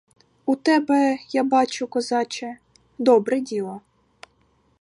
У тебе, я бачу, козаче, добре діло.